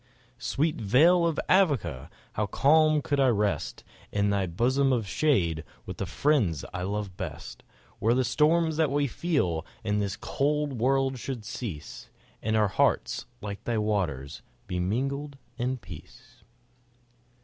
Sweet vale of Avoca! how calm could I rest In thy bosom of shade, with the friends I love best, Where the storms that we feel in this cold world should cease, And our hearts, like thy waters, be mingled in peace.